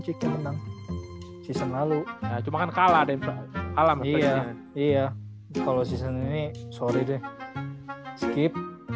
cik yang menang season lalu cuma kan kalah dan kalam iya iya kalau season ini sorry deh skip